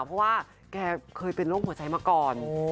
เพราะว่าแกเคยเป็นโรคหัวใจมาก่อน